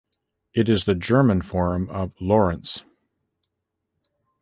It is the German form of Laurence.